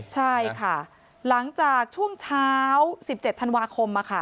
ใช่ค่ะหลังจากช่วงเช้า๑๗ธันวาคม